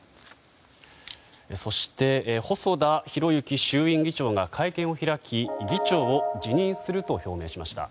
そして、細田博之衆院議長が会見を開き議長を辞任すると表明しました。